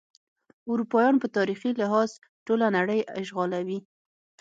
اروپایان په تاریخي لحاظ ټوله نړۍ اشغالوي.